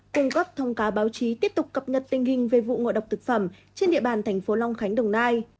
cung cấp thông cáo báo chí tiếp tục cập nhật tình hình về vụ ngộ độc thực phẩm trên địa bàn thành phố long khánh đồng nai